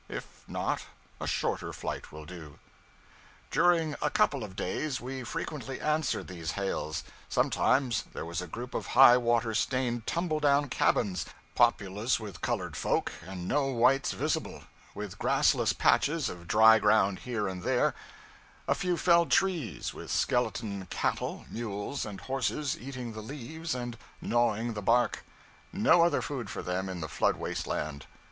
If not, a shorter flight will do. During a couple of days, we frequently answered these hails. Sometimes there was a group of high water stained, tumble down cabins, populous with colored folk, and no whites visible; with grassless patches of dry ground here and there; a few felled trees, with skeleton cattle, mules, and horses, eating the leaves and gnawing the bark no other food for them in the flood wasted land.